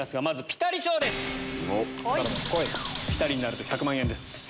ピタリになると１００万円です。